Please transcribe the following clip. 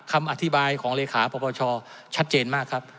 คำอธิบายของเลขาปรปชชัดเจนมากครับ